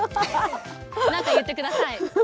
なんか言ってください。